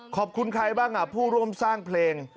ขอบคุณใครบ้างผู้ร่วมสร้างเพลง